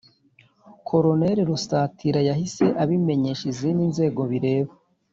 koloneli rusatira yahise abimenyesha izindi nzego bireba